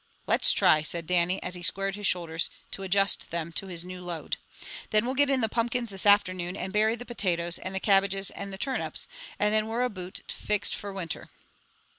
"Let's try!" said Dannie, as he squared his shoulders to adjust them to his new load. "Then we'll get in the pumpkins this afternoon, and bury the potatoes, and the cabbage and turnips, and then we're aboot fixed fra winter."